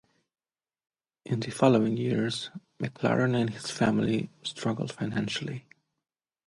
In the following years, MacLaren and his family struggled financially.